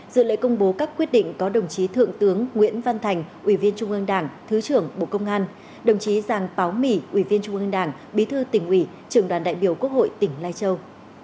dự lễ công bố các quyết định có đồng chí thượng tướng nguyễn văn thành ủy viên trung ương đảng thứ trưởng bộ công an đồng chí giàng báo mỉ ủy viên trung ương đảng bí thư tỉnh ủy trưởng đoàn đại biểu quốc hội tỉnh lai châu